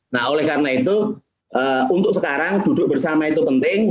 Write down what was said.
nah oleh karena itu untuk sekarang duduk bersama itu penting